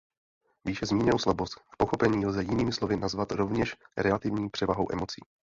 Výše zmíněnou „slabost“ k pochopení lze jinými slovy nazvat rovněž relativní převahou emocí.